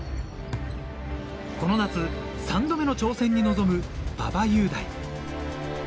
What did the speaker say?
この夏、３度目の挑戦に臨む馬場雄大。